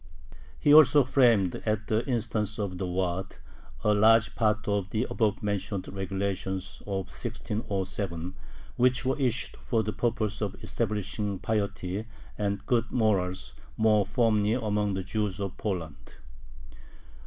He also framed, at the instance of the Waad, a large part of the above mentioned regulations of 1607, which were issued for the purpose of establishing piety and good morals more firmly among the Jews of Poland.